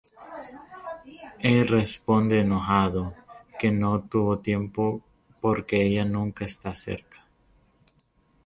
Él responde enojado que no tuvo tiempo porque ella nunca está cerca.